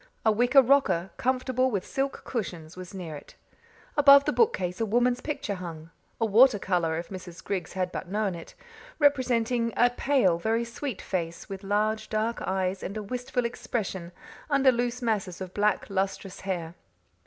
A wicker rocker, comfortable with silk cushions, was near it. Above the bookcase a woman's picture hung a water colour, if Mrs. Griggs had but known it representing a pale, very sweet face, with large, dark eyes and a wistful expression under loose masses of black, lustrous hair.